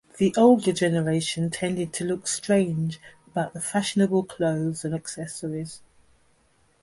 The old generation tended to look strange about the fashionable clothes and accessories.